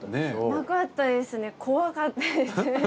なかったですね怖かったです。